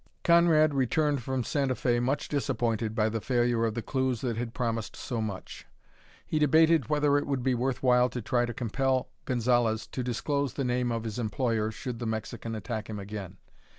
Conrad returned from Santa Fe much disappointed by the failure of the clews that had promised so much. He debated whether it would be worth while to try to compel Gonzalez to disclose the name of his employer should the Mexican attack him again.